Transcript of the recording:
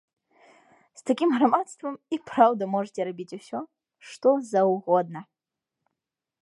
З такім грамадствам і праўда можаце рабіць усе, што заўгодна.